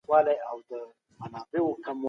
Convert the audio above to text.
که بيان ازاد وي نو حقايق به څرګند سي.